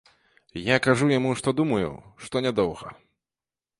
Я кажу яму, што думаю, што нядоўга.